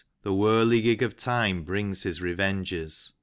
The whirligig of time brings his revenges."